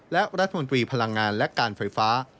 และรัฐมนตรีพลังงานและการไฟฟ้า